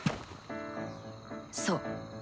そう。